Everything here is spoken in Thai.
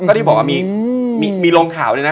ก็ที่บอกว่ามีลงข่าวเลยนะ